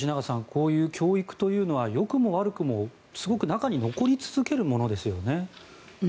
こういう教育というのはよくも悪くも、すごく中に残り続けるものですよね。